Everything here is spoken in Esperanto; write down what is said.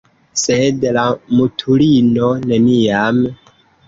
Sed la mutulino neniam